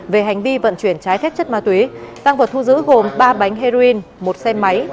về hành vi vận chuyển trái thép chất ma túy tăng vật thu giữ gồm ba bánh heroin một xe máy một điện thoại di động